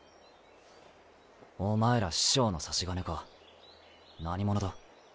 お前ら師匠の差し金か何者だ？